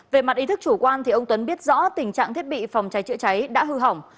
về mặt ý thức chủ quan ông tuấn biết rõ tình trạng thiết bị phòng cháy chữa cháy đã hư hỏng